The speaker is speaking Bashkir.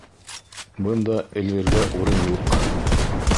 Бында эл ергә урын юҡ.